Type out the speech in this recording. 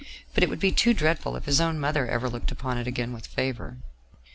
But it would be too dreadful if his own mother ever looked upon it again with favour.